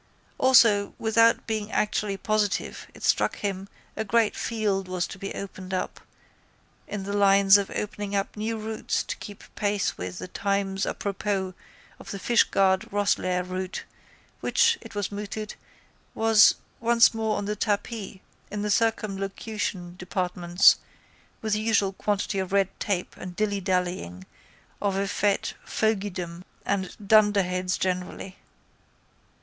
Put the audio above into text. Also, without being actually positive, it struck him a great field was to be opened up in the line of opening up new routes to keep pace with the times apropos of the Fishguard Rosslare route which, it was mooted, was once more on the tapis in the circumlocution departments with the usual quantity of red tape and dillydallying of effete fogeydom and dunderheads generally.